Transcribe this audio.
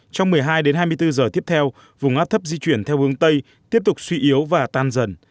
trong một mươi hai đến hai mươi bốn giờ tiếp theo vùng áp thấp di chuyển theo hướng tây tiếp tục suy yếu và tan dần